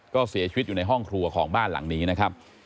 ก็เสียชีวิตอยู่ในห้องครัวของบ้านหลังนี้นะครับ